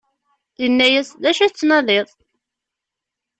inna-yas: D acu i tettnadiḍ?